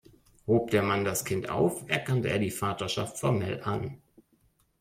Hob der Mann das Kind auf, erkannte er die Vaterschaft formell an.